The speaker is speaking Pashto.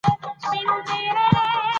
څو کاله مخکي یو څوک وفات سوی و